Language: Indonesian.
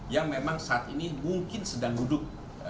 yang memang saat ini mungkin sedang duduk